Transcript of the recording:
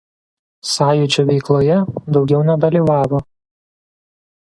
Sąjūdžio veikloje daugiau nedalyvavo.